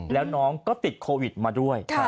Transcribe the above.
แล้วน้องก็ติดโควิดมาด้วย